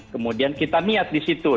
kemudian kita niat disitu